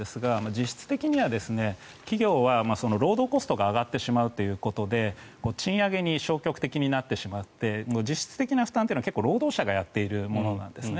実質的には企業は労働コストが上がってしまうということで賃上げに消極的になってしまって実質的な負担というのは労働者がやっているものなんですね。